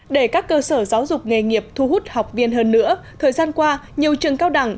để các cơ sở giáo dục nghề nghiệp thu hút học viên hơn nữa thời gian qua nhiều trường cao đẳng